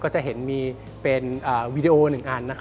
จะเห็นมีเป็นวีดีโอ๑อัน